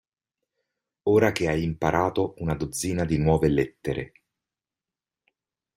Ora che hai imparato una dozzina di nuove lettere.